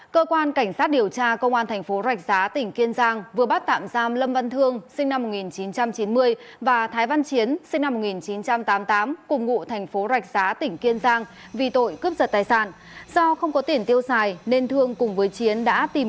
cơ quan cảnh sát điều tra công an thành phố rạch giá tỉnh kiên giang vừa bắt tạm giam lâm văn thương sinh năm một nghìn chín trăm chín mươi và thái văn chiến sinh năm một nghìn chín trăm tám mươi